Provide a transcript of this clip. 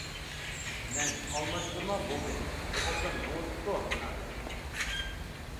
مەن: «ئالماشتۇرما بولدى، بىر ئوبدان مېڭىۋېتىپتۇ مانا» دېدىم.